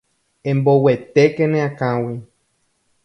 Emboguetéke ne akãgui.